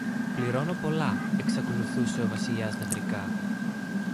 πληρώνω πολλά, εξακολούθησε ο Βασιλιάς νευρικά.